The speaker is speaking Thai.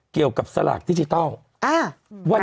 เกี่ยวกับสลักดิจิทัล